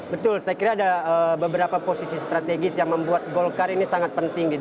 betul saya kira ada beberapa posisi strategis yang membuat golkar ini sangat penting gitu